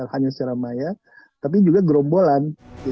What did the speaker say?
hanya secara maya tapi juga gerombolan